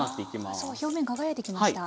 あすごい表面輝いてきました。